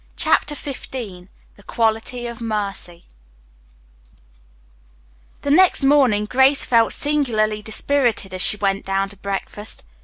CHAPTER XV THE QUALITY OF MERCY The next morning Grace felt singularly dispirited as she went down to breakfast.